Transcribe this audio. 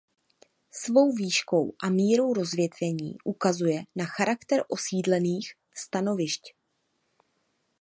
Svou výškou a mírou rozvětvení ukazuje na charakter osídlených stanovišť.